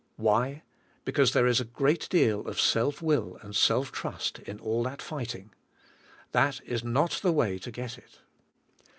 Why? Because there is a g reat deal of self will and self trust in all that fighting . That is not the way to get it.